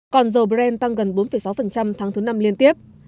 còn dầu brent tăng gần bốn sáu tháng thứ năm liên tiếp